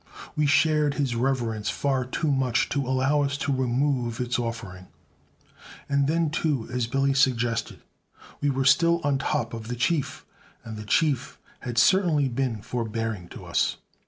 We shared his reverence far too much to allow us to remove its offering. And then, too, as Billy suggested, we were still on top of the Chief, and the Chief had certainly been very forbearing to us.